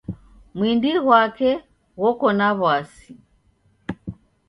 Mwindi ghwake ghoko na wasi